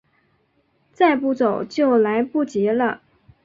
再不走就来不及了